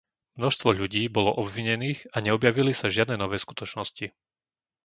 Množstvo ľudí bolo obvinených a neobjavili sa žiadne nové skutočnosti.